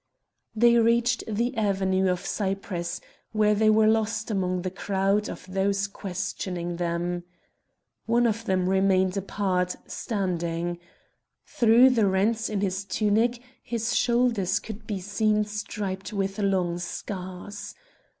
They reached the avenue of cypress, where they were lost among the crowd of those questioning them. One of them remained apart, standing. Through the rents in his tunic his shoulders could be seen striped with long scars.